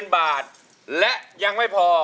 ๔๐๐๐๐บาทและยังไม่พอ